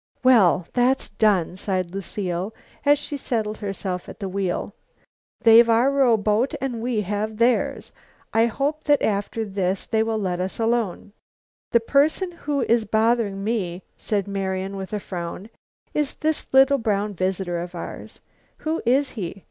"Well, that's done," sighed Lucile, as she settled herself at the wheel. "They've our rowboat and we have theirs. I hope that after this they will let us alone." "The person who is bothering me," said Marian with a frown, "is this little brown visitor of ours. Who is he?